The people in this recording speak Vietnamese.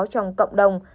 trong cộng đồng